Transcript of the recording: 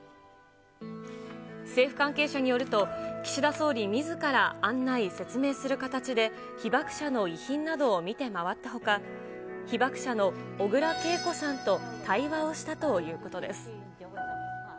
政府関係者によると、岸田総理みずから案内、説明する形で、被爆者の遺品などを見て回ったほか、被爆者の小倉桂子さんと対話をしたということです。